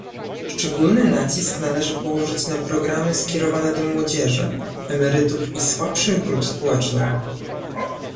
Szczególny nacisk należy położyć na programy skierowane do młodzieży, emerytów i słabszych grup społecznych